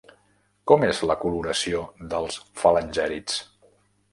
Com és la coloració dels falangèrids?